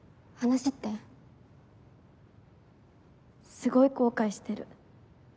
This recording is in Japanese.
すごい後悔してる。